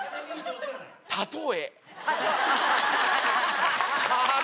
例え！